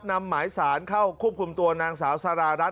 นำหมายสารเข้าควบคุมตัวนางสาวสารารัฐ